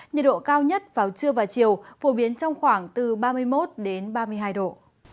nhiệt độ cao nhất vào trưa và chiều phổ biến trong khoảng từ ba mươi một đến ba mươi hai độ